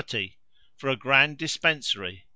For a grand dispensary.